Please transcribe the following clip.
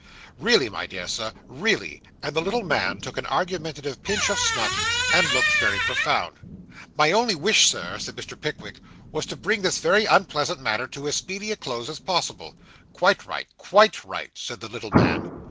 Really, my dear Sir, really;' and the little man took an argumentative pinch of snuff, and looked very profound. 'My only wish, Sir,' said Mr. Pickwick, 'was to bring this very unpleasant matter to as speedy a close as possible.' 'Quite right quite right,' said the little man.